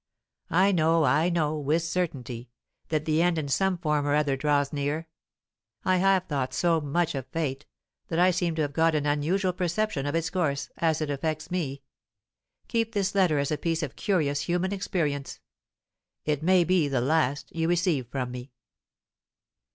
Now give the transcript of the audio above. I know, I know with certainty, that the end in some form or other draws near. I have thought so much of Fate, that I seem to have got an unusual perception of its course, as it affects me. Keep this letter as a piece of curious human experience. It may be the last you receive from me."